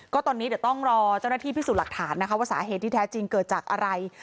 ก็ตอนนี้เดี๋ยวต้องรอเจ้าหน้าที่พิสูจน์หลักฐานนะคะว่าสาเหตุที่แท้จริงเกิดจากอะไร